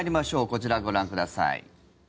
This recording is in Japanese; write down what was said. こちら、ご覧ください。